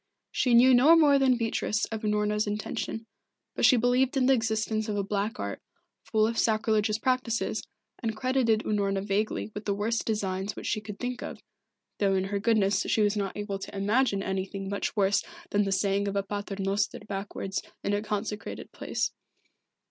She knew no more than Beatrice of Unorna's intention, but she believed in the existence of a Black Art, full of sacrilegious practices, and credited Unorna vaguely with the worst designs which she could think of, though in her goodness she was not able to imagine anything much worse than the saying of a Pater Noster backwards in a consecrated place.